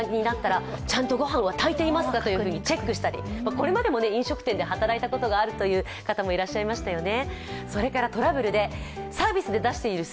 これまでも飲食店で働いたことがあるという方もいらっしゃいましたよね。